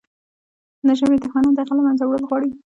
د ژبې دښمنان د هغې له منځه وړل غواړي.